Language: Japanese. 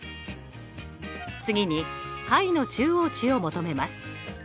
次に下位の中央値を求めます。